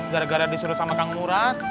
gara gara disuruh sama kang murad